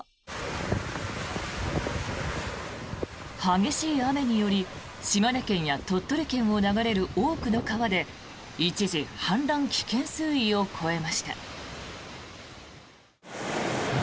激しい雨により島根県や鳥取県を流れる多くの川で一時氾濫危険水位を超えました。